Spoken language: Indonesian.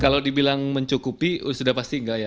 kalau dibilang mencukupi sudah pasti enggak ya